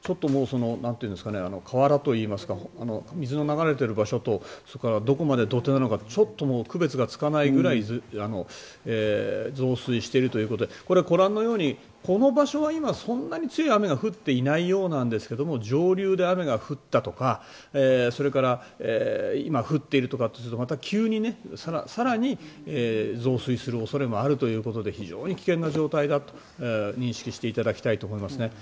ちょうどＶ字になっていますが河原といいますか水の流れている場所とどこまで土手なのか区別がつかないくらい増水しているということでご覧のようにこの場所は今そんなに強い雨が降っていないようなんですが上流で雨が降ったとかそれから今降っているとかするとまた急に更に増水する恐れもあるということで非常に危険な状態だと認識していただきたいと思いますね。